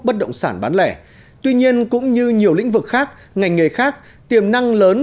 bất động sản bán lẻ tuy nhiên cũng như nhiều lĩnh vực khác ngành nghề khác tiềm năng lớn